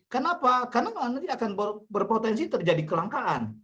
kenapa karena nanti akan berpotensi terjadi kelangkaan